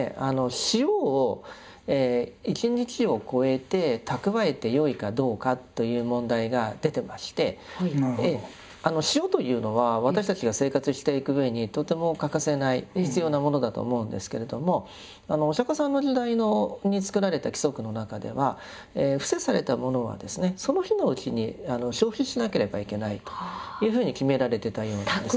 塩を一日を超えて蓄えてよいかどうかという問題が出てまして塩というのは私たちが生活していくうえにとても欠かせない必要なものだと思うんですけれどもお釈迦様の時代に作られた規則の中では布施されたものはですねその日のうちに消費しなければいけないというふうに決められてたようなんです。